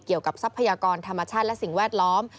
เกี่ยวกับทรัพยากรธรรมชาติและสิ่งแวดล้อม